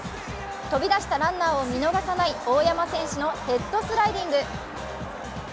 飛び出したランナーを見逃さない大山選手のヘッドスライディング。